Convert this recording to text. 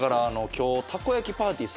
今日たこ焼きパーティー？